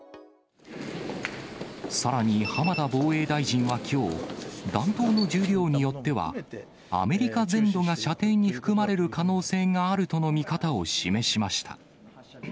さらに、浜田防衛大臣はきょう、弾頭の重量によっては、アメリカ全土が射程に含まれる可能性があるとの見方を示しました。